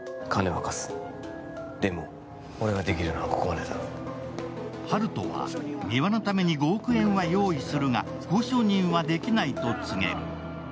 しかも温人は三輪のために５億円は用意するが交渉人はできないと告げる。